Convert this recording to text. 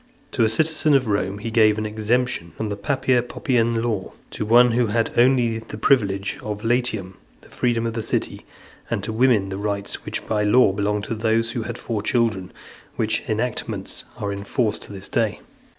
To a citizen of Rome he gave an exemption from the penalty of the Papia Poppaean law ; to one who had only the privilege of Latium, the freedom of the city; and to women the rights which by law belonged to those who had four children: which enactments are in force to this day.